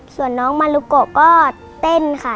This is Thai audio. ส่วนน้องมารุโกก็เต้นค่ะ